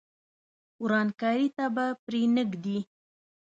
ورانکاري ته به پرې نه ږدي.